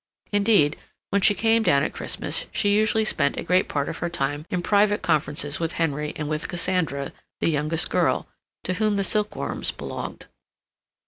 Indeed, when she came down at Christmas she usually spent a great part of her time in private conferences with Henry and with Cassandra, the youngest girl, to whom the silkworms belonged.